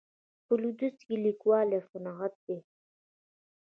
په لویدیځ کې لیکوالي یو صنعت دی.